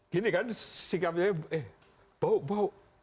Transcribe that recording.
gini kan sikapnya eh bau bau